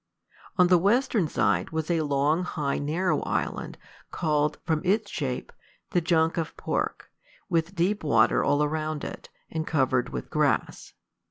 On the western side was a long, high, narrow island, called, from its shape, the "Junk of Pork," with deep water all around it, and covered with grass.